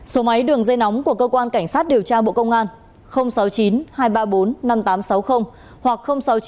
số máy đường dây nóng của cơ quan cảnh sát điều tra bộ công an sáu mươi chín hai trăm ba mươi bốn năm nghìn tám trăm sáu mươi hoặc sáu mươi chín hai trăm ba mươi một một nghìn sáu trăm